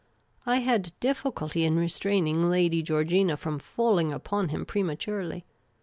I had difficnlty in restraining Lady Georgina from falling upon him prematurely.